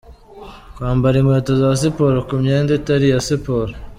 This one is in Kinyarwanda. Kwambara inkweto za siporo ku myenda itari iya siporo.